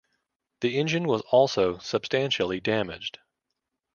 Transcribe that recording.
The engine was also substantially damaged.